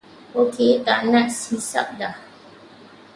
Okey taknak hisap dah.